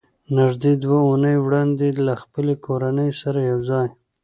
نږدې دوه اوونۍ وړاندې له خپلې کورنۍ سره یو ځای